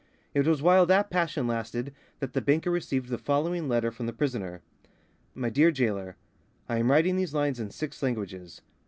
It was while that passion lasted that the banker received the following letter from the prisoner: "My dear gaoler, I am writing these lines in six languages.